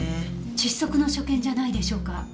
窒息の所見じゃないでしょうか？